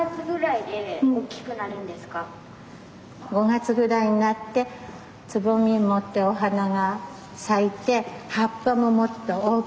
５月ぐらいになってつぼみ持ってお花が咲いて葉っぱももっと大きくなります。